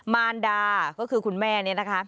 มารดาก็คือคุณแม่นี่นะคะ